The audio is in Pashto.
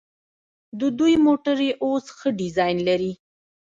د دوی موټرې اوس ښه ډیزاین لري.